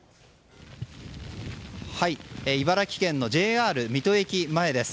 茨城県のＪＲ水戸駅前です。